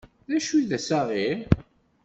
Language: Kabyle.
D acu i d assaɣir?